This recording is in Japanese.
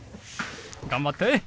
頑張って。